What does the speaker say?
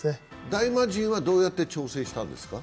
大魔神はどうやって調整したんですか？